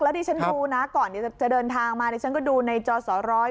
แล้วดิฉันดูนะก่อนที่จะเดินทางมาดิฉันก็ดูในจอสอร้อย